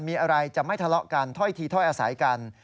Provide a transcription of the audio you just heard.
มีอะไรจะไม่ทะเลาะกันถ้อยทีถ้อยอาศัยกัน